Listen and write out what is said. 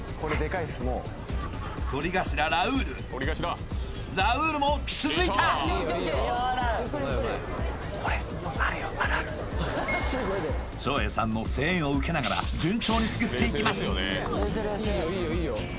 とり頭ラウールラウールも続いた照英さんの声援を受けながら順調にすくっていきます